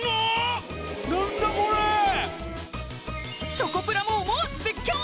チョコプラも思わず絶叫！